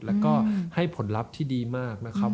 แล้วก็ให้ผลลัพธ์ที่ดีมากนะครับ